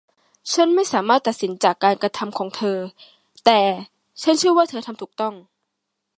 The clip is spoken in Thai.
ฉันไม่สามารถตัดสินจากการกระทำของเธอ แต่ฉันเชื่อว่าเธอทำถูกต้อง